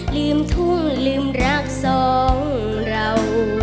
ลืมทุ่งลืมรักสองเรา